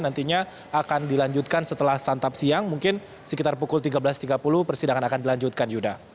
nantinya akan dilanjutkan setelah santap siang mungkin sekitar pukul tiga belas tiga puluh persidangan akan dilanjutkan yuda